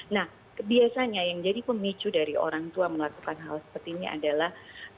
nah biasanya yang jadi pemicu dari orang tua melakukan hal seperti ini adalah